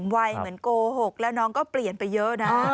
วัยเหมือนโกหกแล้วน้องก็เปลี่ยนไปเยอะนะ